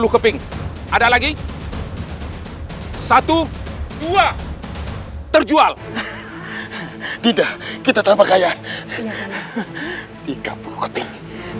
tiga puluh keping ada lagi dua belas terjual tidak kita tergaya tiga puluh keping